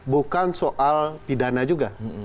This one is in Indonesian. bukan soal pidana juga